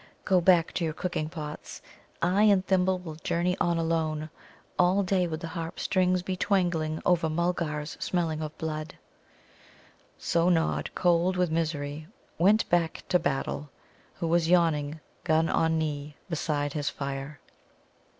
Go back to your cooking pots. I and Thimble will journey on alone. All day would the Harp strings be twangling over Mulgars smelling of blood." So Nod, cold with misery, went back to Battle, who sat yawning, gun on knee, beside his fire.